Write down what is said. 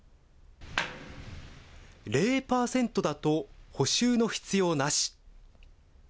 ０％だと補修の必要なし。